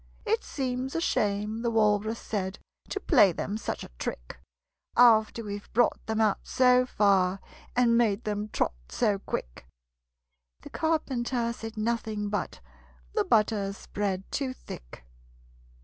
"It seems a shame," the Walrus said, "To play them such a trick, After we've brought them out so far, And made them trot so quick!" The Carpenter said nothing but "The butter's spread too thick!"